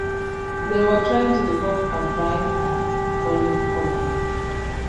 They were trying to develop a Vine and Olive Colony.